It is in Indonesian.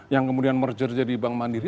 yang kemudian merger jadi bank mandiri